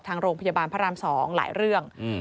ทางโรงพยาบาลพระราม๒หลายเรื่อง